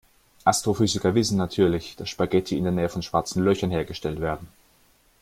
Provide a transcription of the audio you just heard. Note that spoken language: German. Astrophysiker wissen natürlich, dass Spaghetti in der Nähe von Schwarzen Löchern hergestellt werden.